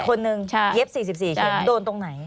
คนหนึ่งเย็บ๔๔เข็มโดนตรงไหน